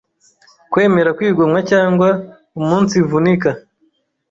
Kwemera kwigomwa cyangwa umunsivunika